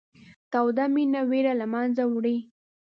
توده مینه وېره له منځه وړي.